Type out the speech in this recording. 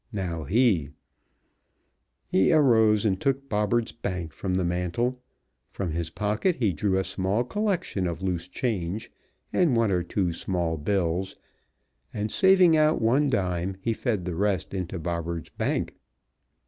Now he He arose and took Bobberts' bank from the mantel; from his pocket he drew a small collection of loose change and one or two small bills, and saving out one dime he fed the rest into Bobberts' bank.